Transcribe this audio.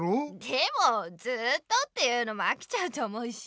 でもずっとっていうのもあきちゃうと思うし。